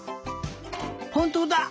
ほんとうだ！